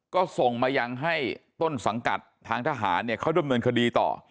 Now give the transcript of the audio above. ก็ส่งมายังให้ต้นสังกัดทางทหารเนี่ยเขาดำเนินคดีต่อ